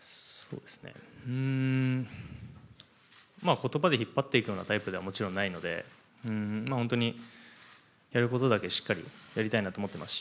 言葉で引っ張っていくようなタイプではもちろんないので本当に、やることだけしっかりやりたいなと思っていますし